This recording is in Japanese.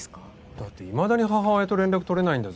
だっていまだに母親と連絡取れないんだぞ。